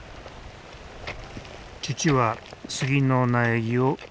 父は杉の苗木を植える。